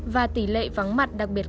và tỷ lệ vắng mặt đặc biệt